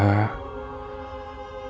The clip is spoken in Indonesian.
ya ampun sa